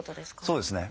そうですね。